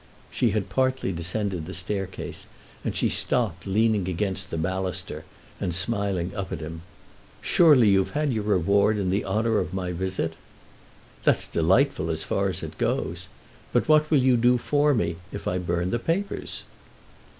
She had partly descended the staircase and she stopped, leaning against the baluster and smiling up at him. "Surely you've had your reward in the honour of my visit." "That's delightful as far as it goes. But what will you do for me if I burn the papers?"